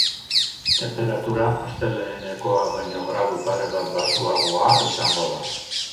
Tenperatura astelehenekoa baino gradu pare bat baxuagoa izango da.